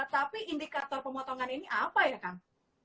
tapi indikator pemotongan ini apa ya kang